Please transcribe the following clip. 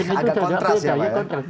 agak kontras ya pak